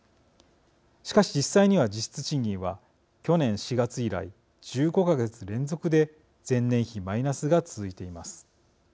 しかし、実際には実質賃金は去年４月以来１５か月連続で前年比マイナスが続いています。